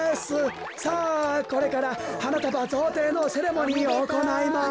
さあこれからはなたばぞうていのセレモニーをおこないます！